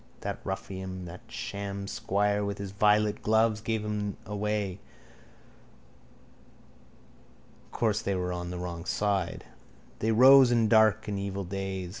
That ruffian, that sham squire, with his violet gloves gave him away. Course they were on the wrong side. They rose in dark and evil days.